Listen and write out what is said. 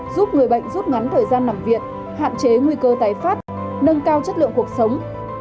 giúp người bệnh rút ngắn thời gian nằm viện hạn chế nguy cơ tái phát nâng cao chất lượng cuộc sống